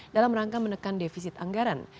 dalam rangka menekan defisit anggaran